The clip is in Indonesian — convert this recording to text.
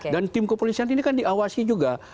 dan tim kepolisian ini kan diawasi juga